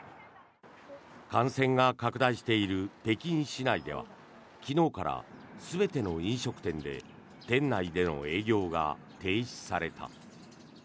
感染が拡大している北京市内では昨日から全ての飲食店で店内での営業が停止された。